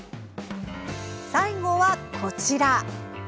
最後は、こちら。